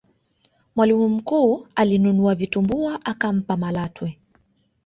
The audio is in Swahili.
mwalimu mkuu alinunua vitumbua akampa malatwe